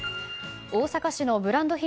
大阪市のブランド品